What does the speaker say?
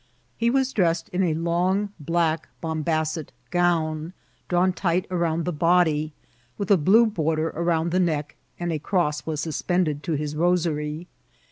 He was dressed in a long black bombazet gown, drawn tight around the body, with a blue border around the neek, and a cross was suspended to his rosary.